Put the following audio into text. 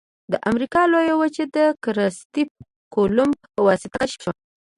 د امریکا لویه وچه د کرستف کولمب په واسطه کشف شوه.